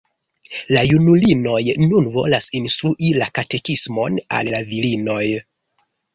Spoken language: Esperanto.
La junulinoj nun volas instrui la katekismon al la virinoj.